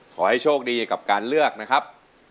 ขอให้โชคดีกับการเลือกนะครับ